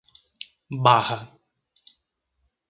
Barra